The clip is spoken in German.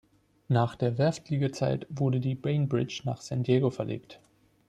Nach der Werftliegezeit wurde die "Bainbridge" nach San Diego verlegt.